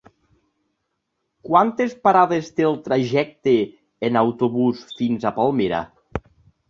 Quantes parades té el trajecte en autobús fins a Palmera?